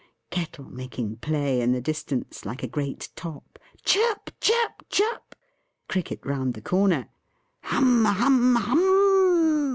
Kettle making play in the distance, like a great top. Chirp, chirp, chirp! Cricket round the corner. Hum, hum, hum m m!